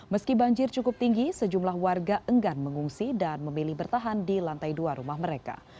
meski banjir cukup tinggi sejumlah warga enggan mengungsi dan memilih bertahan di lantai dua rumah mereka